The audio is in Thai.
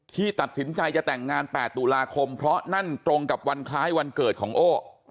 ที่ตัดสินใจจะแต่งงาน๘ตุลาคมเพราะนั่นตรงกับวันคล้ายวันเกิดของโอ้